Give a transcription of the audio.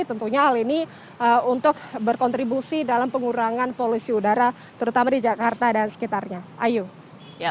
tentunya hal ini untuk berkontribusi dalam pengurangan polusi udara terutama di jakarta dan sekitarnya